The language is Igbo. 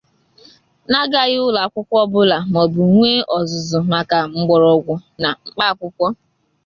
n'agaghị ụlọakwụkwọ ọbụla maọbụ nwee ọzụzụ maka mgbọrọgwụ na mkpaakwụkwọ